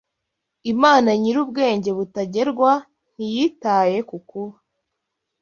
Imana Nyirubwenge butagerwa ntiyitaye ku kuba